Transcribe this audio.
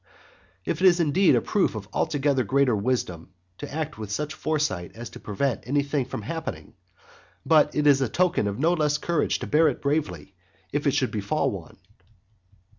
It is indeed a proof of altogether greater wisdom to act with such foresight as to prevent any such thing from happening, but it is a token of no less courage to bear it bravely if it should befall one.